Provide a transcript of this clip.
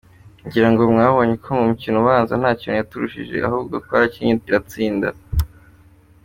Ngira ngo mwabonye ko mu mukino ubanza nta kintu yaturushije ahubwo twarakinnye iratsinda.